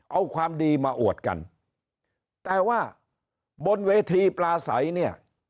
เอาความดีมาอวดกันแต่ว่าบนเวทีปลาใสเนี่ย